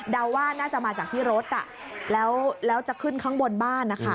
ว่าน่าจะมาจากที่รถแล้วจะขึ้นข้างบนบ้านนะคะ